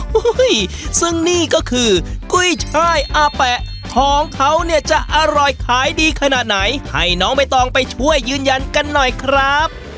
ซึ่งนี่ก็คือกุ้ยช่ายอาแปะของเขาเนี่ยจะอร่อยขายดีขนาดไหนให้น้องใบตองไปช่วยยืนยันกันหน่อยครับ